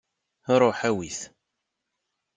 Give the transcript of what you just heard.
Ruḥ awi-t.